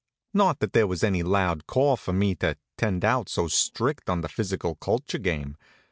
Not that there was any loud call for me to tend out so strict on the physical culture game.